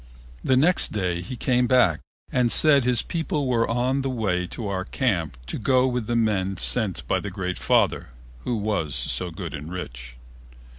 The next day he came back and said his people were on the way to our camp to go with the men sent by the Great Father, who was so good and rich.